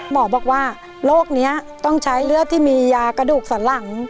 หมอบอกว่าโรคนี้ต้องใช้เลือดที่มียากระดูกสันหลัง